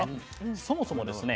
そもそもですね